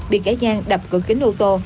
bị kẻ giang đập cửa kính ô tô